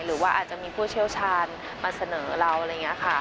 หรือว่าอาจจะมีผู้เชี่ยวชาญมาเสนอเราอะไรอย่างนี้ค่ะ